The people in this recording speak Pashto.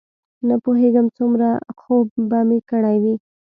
نه پوهېږم څومره خوب به مې کړی وي.